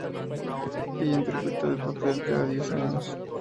Ella interpretó el papel cada diez años.